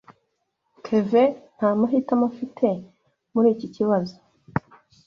Kevin nta mahitamo afite muri iki kibazo.